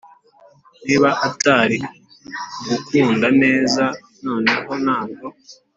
niba atari ugukunda neza, noneho ntabwo,